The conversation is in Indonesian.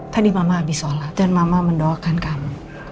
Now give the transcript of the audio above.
tadi mama habis sholat dan mama mendoakan kamu